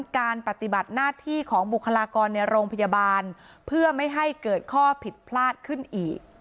การปฏิบัติหน้าที่ของบุคลากรในโรงพยาบาลเพื่อไม่ให้เกิดข้อผิดพลาดขึ้นอีก